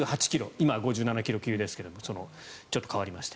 今は５７ｋｇ級ですけれどもちょっと変わりまして。